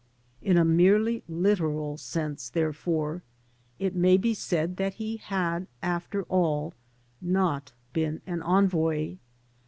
In a merely literal sense, therefore, it may be said that he had, after all, not been an envoy.